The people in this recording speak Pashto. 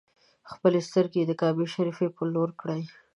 خپلې سترګې یې د کعبې شریفې پر لور کړې.